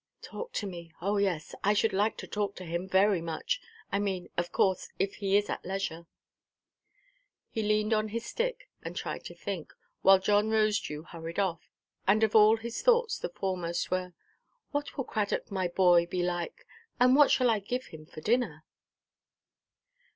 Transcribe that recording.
"Talk to me! Oh yes, I should like to talk to him—very much—I mean, of course, if he is at leisure." He leaned on his stick, and tried to think, while John Rosedew hurried off; and of all his thoughts the foremost were, "What will Cradock my boy be like; and what shall I give him for dinner?"